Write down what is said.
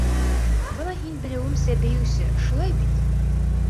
Бына һин, белеүемсә, бейеүсе, шулай бит?